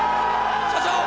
社長！